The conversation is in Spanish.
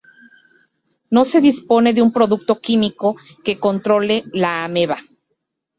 No se dispone de un producto químico que controle la ameba.